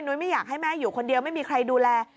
ไม่อยากให้แม่อยู่คนเดียวไม่มีใครดูแล